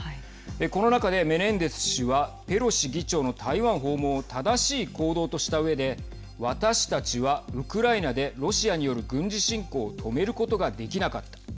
この中で、メネンデス氏はペロシ議長の台湾訪問を正しい行動としたうえで私たちは、ウクライナでロシアによる軍事侵攻を止めることができなかった。